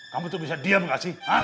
kamu tuh bisa diam gak sih